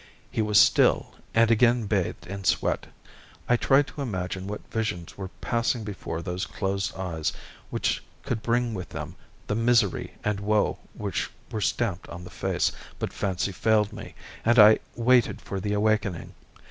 He was still, and again bathed in sweat. I tried to imagine what visions were passing before those closed eyes which could bring with them the misery and woe which were stamped on the face, but fancy failed me, and I waited for the awakening.